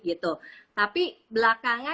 gitu tapi belakangan